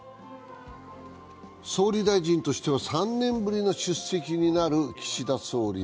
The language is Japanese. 総理大臣としては３年ぶりの出席になる岸田総理。